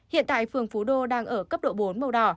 hiện tại phường phú đô đang ở cấp độ bốn màu đỏ